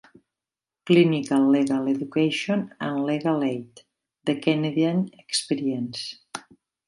"Clinical Legal Education and Legal Aid: The Canadian Experience."